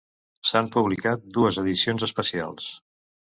S'han publicat dues edicions especials.